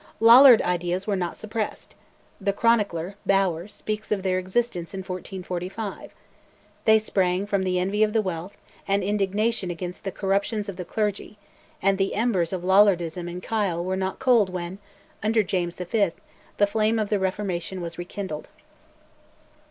Lollard ideas were not suppressed; the chronicler, Bower, speaks of their existence in 1445; they sprang from envy of the wealth, and indignation against the corruptions of the clergy, and the embers of Lollardism in Kyle were not cold when, under James V., the flame of the Reformation was rekindled.